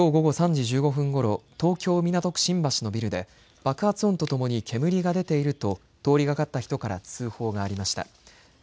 きょう午後３時１５分ごろ東京、港区新橋のビルで爆発音とともに煙が出ていると通りがかった人から通報がありました。